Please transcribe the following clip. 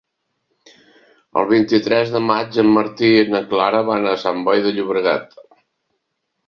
El vint-i-tres de maig en Martí i na Clara van a Sant Boi de Llobregat.